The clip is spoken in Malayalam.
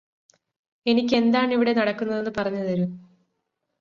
എനിക്ക് എന്താണിവിടെ നടക്കുന്നതെന്ന് പറഞ്ഞുതരു